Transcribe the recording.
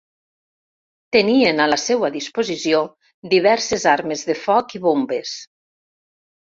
Tenien a la seua disposició diverses armes de foc i bombes.